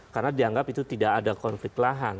karena dianggap itu tidak ada konflik lahan